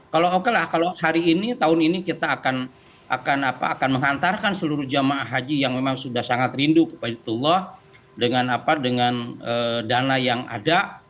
kalau oke lah kalau hari ini tahun ini kita akan menghantarkan seluruh jemaah haji yang memang sudah sangat rindu kepada tuhullah dengan dana yang ada